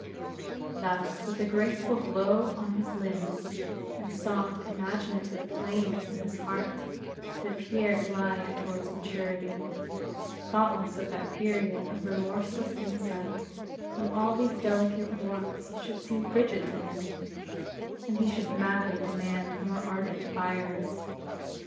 Thus, with a graceful glow on his limbs, and soft, imaginative flames in his heart, did this Pierre glide toward maturity, thoughtless of that period of remorseless insight, when all these delicate warmths should seem frigid to him, and he should madly demand more ardent fires.